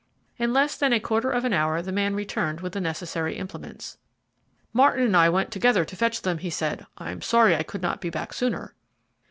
In less than a quarter of an hour the man returned with the necessary implements. "Martin and I went together to fetch them," he said; "I'm sorry I could not be back sooner."